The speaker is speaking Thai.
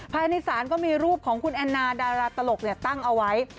ภายในศาลก็มีรูปของคุณแอนนาดาราตลกตั้งเอาไว้